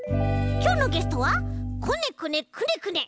きょうのゲストはこねこねくねくね。